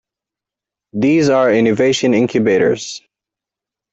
These are innovation incubators.